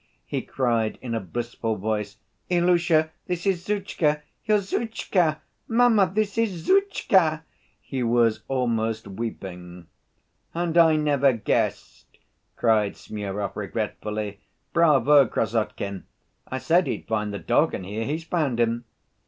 he cried in a blissful voice, "Ilusha, this is Zhutchka, your Zhutchka! Mamma, this is Zhutchka!" He was almost weeping. "And I never guessed!" cried Smurov regretfully. "Bravo, Krassotkin! I said he'd find the dog and here he's found him."